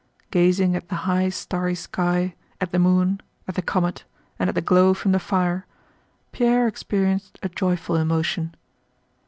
Gazing at the high starry sky, at the moon, at the comet, and at the glow from the fire, Pierre experienced a joyful emotion.